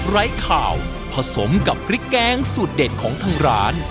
ไร้ข่าวผสมกับพริกแกงสูตรเด่นของทางร้าน